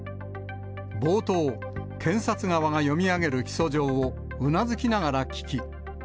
冒頭、検察側が読み上げる起訴状をうなずきながら聞き。